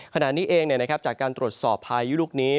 ขณะนี้เองจากการตรวจสอบพายุลูกนี้